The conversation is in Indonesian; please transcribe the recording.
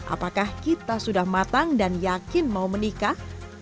apakah kita sudah matang dan yakin mau menikah